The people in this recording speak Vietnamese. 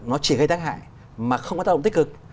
nó chỉ gây tác hại mà không có tác động tích cực